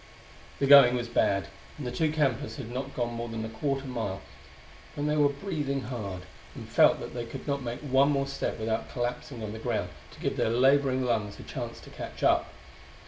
The going was bad, and the two campers had not gone more than a quarter mile when they were breathing hard, and felt that they could not make one more step without collapsing on the ground to give their laboring lungs a chance to catch up.